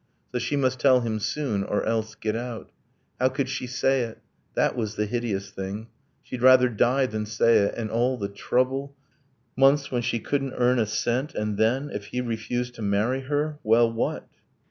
So she must tell him soon or else get out ... How could she say it? That was the hideous thing. She'd rather die than say it! ... and all the trouble, Months when she couldn't earn a cent, and then, If he refused to marry her ... well, what?